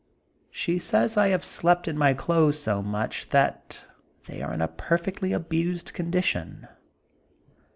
She says I have slept in my clothes sh much that they are in a perfectly abused condition.